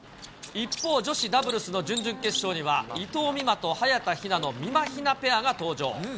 一方、女子ダブルスの準々決勝には伊藤美誠と早田ひなのみまひなペアが登場。